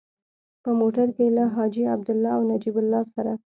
په موټر کې له حاجي عبدالله او نجیب الله سره.